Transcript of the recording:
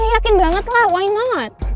yakin banget lah why not